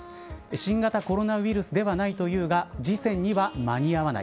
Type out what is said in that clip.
新型コロナウイルスではないというが次戦には間に合わない。